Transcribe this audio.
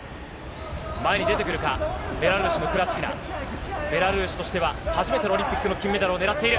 前に出てくるか、ベラルーシクラチキナ、ベラルーシとしては初めてのオリンピックの金メダルをねらっている。